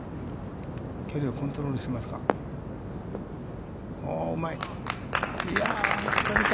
距離をコントロールしました。